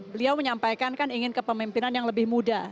beliau menyampaikan kan ingin kepemimpinan yang lebih muda